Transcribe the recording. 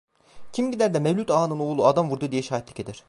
Kim gider de Mevlüt Ağa'nın oğlu adam vurdu diye şahitlik eder?